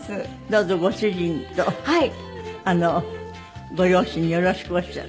どうぞご主人とご両親によろしくおっしゃって。